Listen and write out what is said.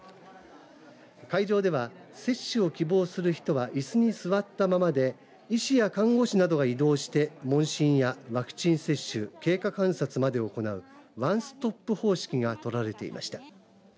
会場では、接種を希望する人はいすに座ったままで医師や看護師などが移動して問診やワクチン接種経過観察までを行うワンストップ方式が取られていました。